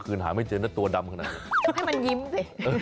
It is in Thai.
คล้นมันดำปิ๊ด